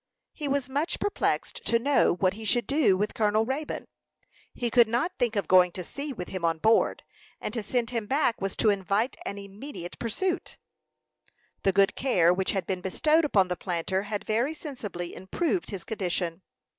He was much perplexed to know what he should do with Colonel Raybone. He could not think of going to sea with him on board, and to send him back was to invite an immediate pursuit. The good care which had been bestowed upon the planter had very sensibly improved his condition.